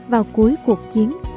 vào cuối cuộc chiến